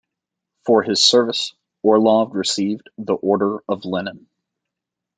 For his service, Orlov received the Order of Lenin.